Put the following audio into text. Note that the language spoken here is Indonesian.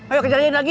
ayo kerjain lagi